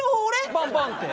バンバーンって。